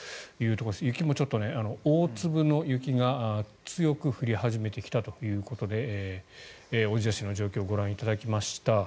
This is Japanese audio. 雪もちょっと大粒の雪が強く降り始めてきたということで小千谷市の状況をご覧いただきました。